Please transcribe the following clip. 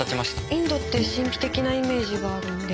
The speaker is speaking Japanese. インドって神秘的なイメージがあるので。